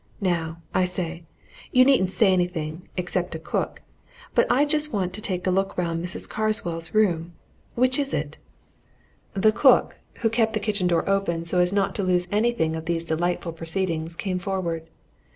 Now, I say you needn't say anything except to cook but I just want to take a look round Mrs. Carswell's room. Which is it?" The cook, who kept the kitchen door open so as not to lose anything of these delightful proceedings, came forward.